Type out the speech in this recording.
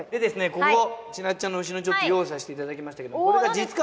ここちなっちゃんの後ろにちょっと用意させていただきましたけどお何ですか？